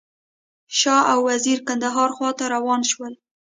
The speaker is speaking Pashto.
شاه او وزیر کندهار خواته روان شول.